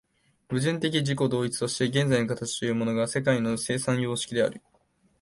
矛盾的自己同一として現在の形というものが世界の生産様式である。